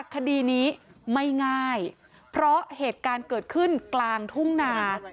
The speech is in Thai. คดีนี้ไม่ง่ายเพราะเหตุการณ์เกิดขึ้นกลางทุ่งนา